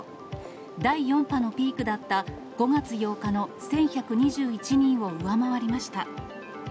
第４波のピークだった５月８日の１１２１人を上回りました。